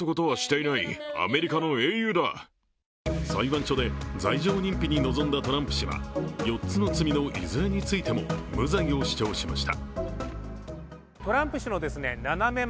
裁判所で罪状認否に臨んだトランプ氏は、４つの罪のいずれについても無罪を主張しました。